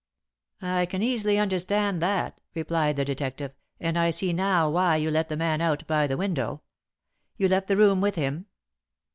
"I can easily understand that," replied the detective; "and I see now why you let the man out by the window. You left the room with him?"